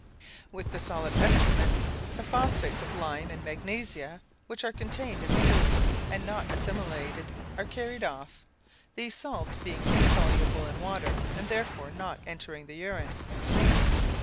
With the solid excrements, the phosphates of lime and magnesia, which were contained in the food and not assimilated, are carried off, these salts being insoluble in water, and therefore not entering the urine.